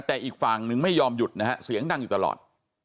แต่อีกฝั่งนึงไม่ยอมหยุดนะฮะเสียงดังอยู่ตลอด